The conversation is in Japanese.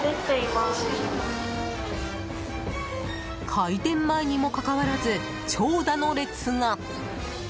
開店前にもかかわらず長蛇の列が。